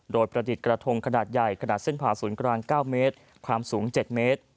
โดยประดิษฐ์กระทงขนาดใหญ่ขนาดเส้นผ่าศูนย์กลาง๙เมตรความสูง๗เมตร